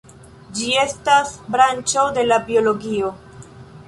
Ĝi estas branĉo de la biologio.